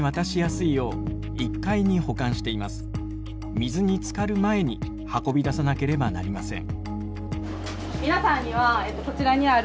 水に浸かる前に運び出さなければなりません。